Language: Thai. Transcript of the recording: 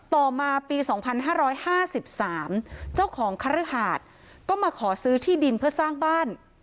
ต่อมาปีสองพันห้าร้อยห้าสิบสามเจ้าของคฤหาตก็มาขอซื้อที่ดินเพื่อสร้างบ้าน